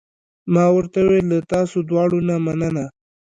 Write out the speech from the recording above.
ما ورته وویل: له تاسو دواړو نه مننه.